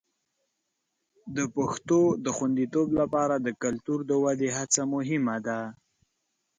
د پښتو د خوندیتوب لپاره د کلتور د ودې هڅه مهمه ده.